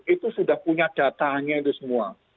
itu sudah punya datanya itu semua